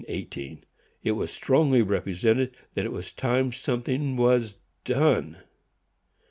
It was strongly represented that it was time something was done.